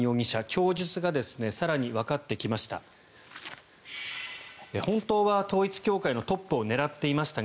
供述が更にわかってきました。